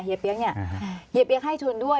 เปี๊ยกเนี่ยเฮียเปี๊ยกให้ทุนด้วย